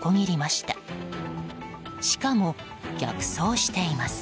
しかも逆走しています。